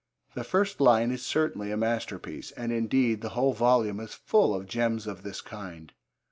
The first line is certainly a masterpiece, and, indeed, the whole volume is full of gems of this kind.